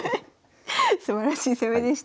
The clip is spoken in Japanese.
すばらしい攻めでした。